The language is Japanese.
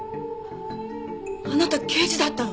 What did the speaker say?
あなた刑事だったの？